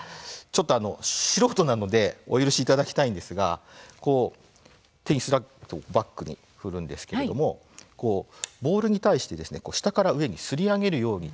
ちょっと素人なのでお許しいただきたいんですがテニスラケットをバックに振るんですけれどもボールに対して下から上にすり上げるように。